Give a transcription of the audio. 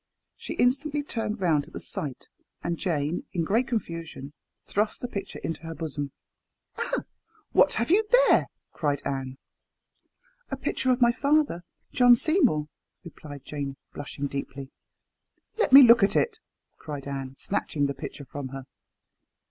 She instantly turned round at the sight, and Jane, in great confusion, thrust the picture into her bosom. "Ah I what have you there?" cried Anne. "A picture of my father, Sir John Seymour," replied Jane, blushing deeply. "Let me look at it," cried Anne, snatching the picture from her.